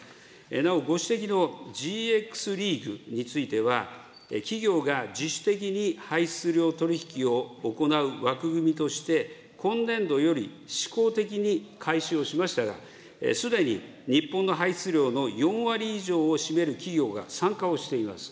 なおご指摘のＧＸリーグについては、企業が自主的に排出量取り引きを行う枠組みとして、今年度より試行的に開始をしましたが、すでに日本の排出量の４割以上を占める企業が参加をしています。